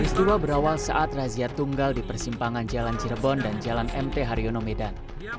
peristiwa berawal saat razia tunggal di persimpangan jalan cirebon dan jalan mt haryono medan